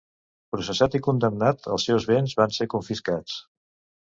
Processat i condemnat, els seus béns van ser confiscats.